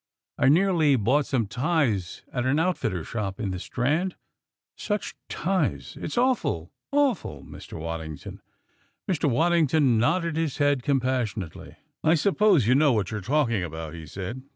I nearly bought some ties at an outfitter's shop in the Strand such ties! It's awful awful, Mr. Waddington!" Mr. Waddingon nodded his head compassionately. "I suppose you know what you're talking about," he said.